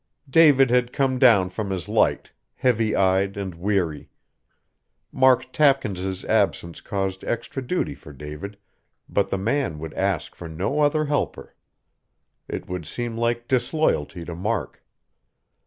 David had come down from his Light, heavy eyed and weary. Mark Tapkins's absence caused extra duty for David, but the man would ask for no other helper; it would seem like disloyalty to Mark.